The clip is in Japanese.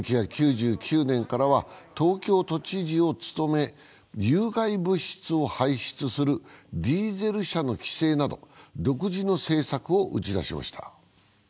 １９９９年からは東京都知事を務め有害物質を排出するディーゼル車の規制など独自の政策を打ち出しました。